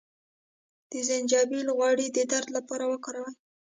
د زنجبیل غوړي د درد لپاره وکاروئ